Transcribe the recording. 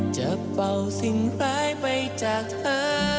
เป่าสิ่งร้ายไปจากเธอ